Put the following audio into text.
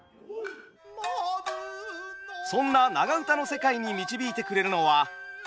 そんな長唄の世界に導いてくれるのは東音味見純さん。